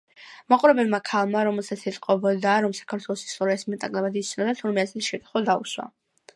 მაყურებელმა ქალმა, რომელსაც ეტყობოდა, რომ საქართველოს ისტორიას მეტ-ნაკლებად იცნობდა, თურმე ასეთი შეკითხვა დაუსვა.